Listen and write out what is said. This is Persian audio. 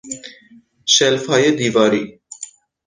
شلفهای دیواری